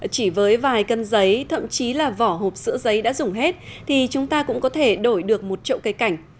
chỉ với vài cân giấy thậm chí là vỏ hộp sữa giấy đã dùng hết thì chúng ta cũng có thể đổi được một trậu cây cảnh